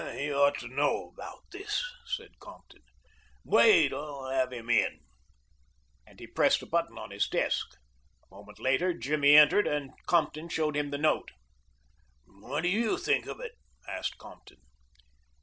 "He ought to know about this," said Compton. "Wait; I'll have him in," and he pressed a button on his desk. A moment later Jimmy entered, and Compton showed him the note. "What do you think of it?" asked Compton.